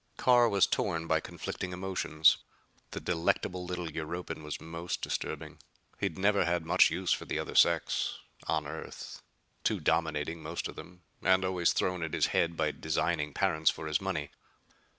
Carr was torn by conflicting emotions. The delectable little Europan was most disturbing. He'd never had much use for the other sex on Earth. Too dominating, most of them. And always thrown at his head by designing parents for his money.